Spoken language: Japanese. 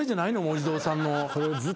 お地蔵さんの。